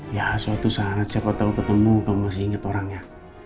ya suatu saat siapa tahu ketemu kamu masih ingat orangnya